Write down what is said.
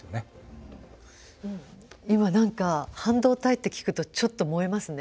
今何か半導体って聞くとちょっと萌えますね。